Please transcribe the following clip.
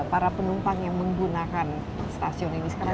para penumpang yang menggunakan stasiun ini sekarang